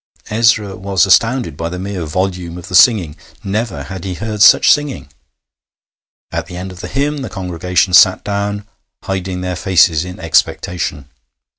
Ezra was astounded by the mere volume of the singing; never had he heard such singing. At the end of the hymn the congregation sat down, hiding their faces in expectation.